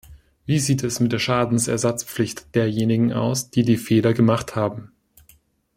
Wie sieht es mit der Schadensersatzpflicht derjenigen aus, die die Fehler gemacht haben?